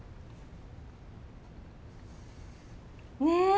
ねえ！